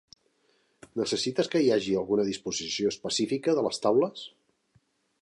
Necessites que hi hagi alguna disposició específica de les taules?